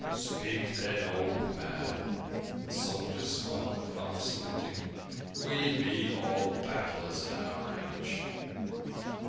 "Speak, then, old man," the soldier smiled, half saluting. "We be all babblers at our age."